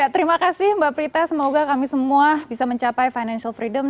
terima kasih mbak prita semoga kami semua bisa mencapai financial freedom